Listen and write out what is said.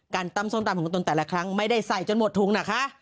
ตำส้มตำของตนแต่ละครั้งไม่ได้ใส่จนหมดถุงนะคะ